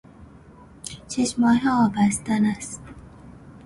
ششماهه آبستن است.